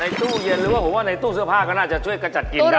ตู้เย็นหรือว่าผมว่าในตู้เสื้อผ้าก็น่าจะช่วยกระจัดกินได้